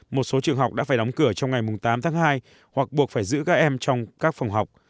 một số trường học đã phải đóng cửa trong ngày tám tháng hai hoặc buộc phải giữ các em trong các phòng học